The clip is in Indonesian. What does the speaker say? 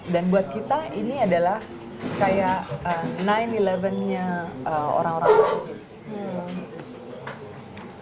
dan buat kita ini adalah kayak sembilan sebelas nya orang orang paris